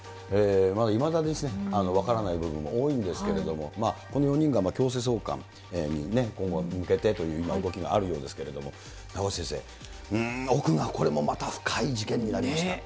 いまだ分からない部分も多いんですけれども、この４人が強制送還に今後、向けてという、今、動きがあるようですけれども、名越先生、うーん、奥がこれもまた深い事件になりました。